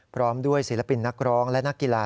พร้อมด้วยศิลปินนักร้องและนักกีฬา